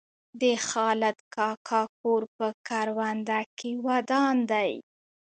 د خالد کاکا کور په کرونده کې ودان دی.